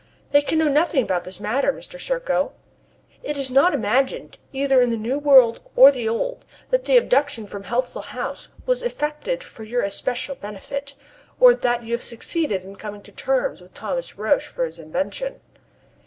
"They can know nothing about this matter, Mr. Serko. It is not imagined, either in the new world or the old, that the abduction from Healthful House was effected for your especial benefit, or that you have succeeded in coming to terms with Thomas Roch for his invention."